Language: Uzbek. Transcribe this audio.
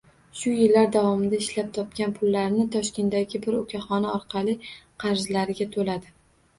Shu yillar davomida ishlab topgan pullarini Toshkentdagi bir ukaxoni orqali qarzlariga to`ladi